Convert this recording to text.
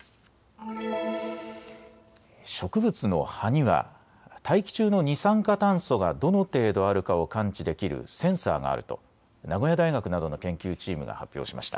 植物の葉には大気中の二酸化炭素がどの程度あるかを感知できるセンサーがあると名古屋大学などの研究チームが発表しました。